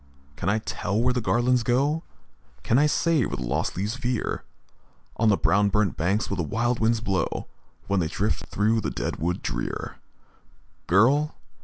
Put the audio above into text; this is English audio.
can I tell where the garlands go? Can I say where the lost leaves veer On the brown burnt banks, when the wild winds blow, When they drift through the dead wood drear? Girl!